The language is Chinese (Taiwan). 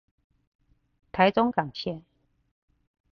臺中港線